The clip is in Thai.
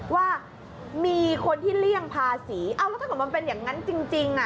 ว่ามีคนที่เลี่ยงภาษีเอ้าแล้วถ้าเกิดมันเป็นอย่างนั้นจริงอ่ะ